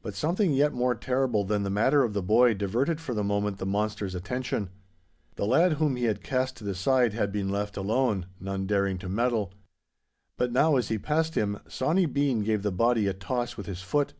But something yet more terrible than the matter of the boy diverted for the moment the monster's attention. The lad whom he had cast to the side had been left alone, none daring to meddle. But now, as he passed him, Sawny Bean gave the body a toss with his foot.